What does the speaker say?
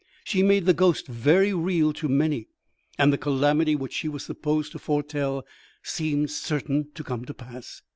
She made the ghost very real to many, and the calamity which she was supposed to foretell seemed certain to come to pass.